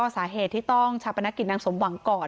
สาเหตุที่ต้องชาปนกิจนางสมหวังก่อน